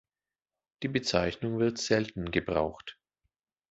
Die Bezeichnung wird selten gebraucht.